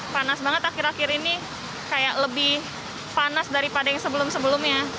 panas banget akhir akhir ini kayak lebih panas daripada yang sebelum sebelumnya